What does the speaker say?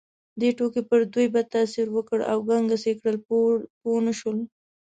دې ټوکې پر دوی بد تاثیر وکړ او ګنګس یې کړل، پوه نه شول.